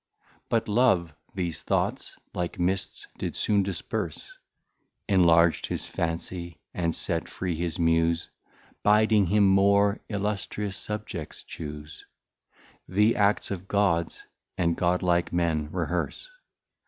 But Love these Thoughts, like Mists, did soon disperse, Enlarg'd his Fancy, and set free his Muse, Biding him more Illustrious Subjects choose; The Acts of Gods, and God like Men reherse.